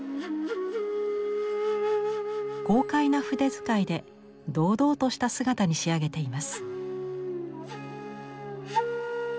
豪快な筆遣いで堂々とした姿に仕上げています。